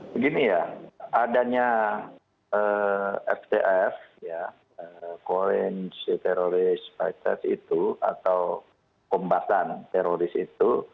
begini ya adanya ftf coinge terrorist crisis itu atau pembahasan teroris itu